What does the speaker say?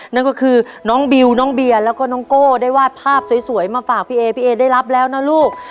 นั่นก็คือน้องบิวน้องเบียร์แล้วก็น้องโก้ได้วาดภาพสวยมาฝากพี่เอพี่เอได้รับแล้วนะลูก